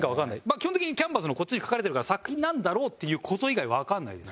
基本的にキャンバスのこっちに描かれてるから作品なんだろうっていう事以外わからないです。